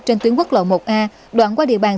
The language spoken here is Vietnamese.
trên tuyến quốc lộ một a đoạn qua địa bàn